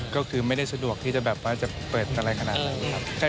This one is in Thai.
ก็คือไม่ได้สะดวกที่จะแบบว่าจะเปิดอะไรขนาดนั้นครับ